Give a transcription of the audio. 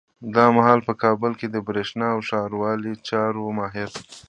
دا مهال په کابل کي د برېښنا او ښاروالۍ چارو ماهر